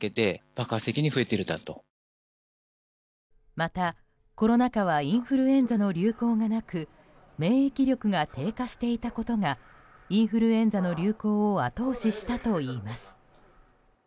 また、コロナ禍はインフルエンザの流行もなく免疫力が低下していたことがインフルエンザの流行を後押ししたといいます。